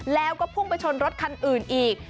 แล้วก็พุ่งไปชนรถคันอื่นอีก